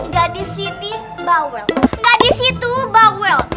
gak disitu bawel